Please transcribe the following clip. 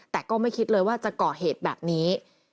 แต่ก็ไม่คิดเลยว่าจะก่อเหตุแบบนี้